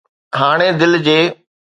هاڻي دل جي